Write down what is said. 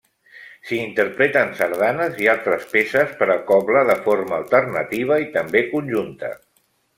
S'hi interpreten sardanes i altres peces per a cobla de forma alternativa i també conjunta.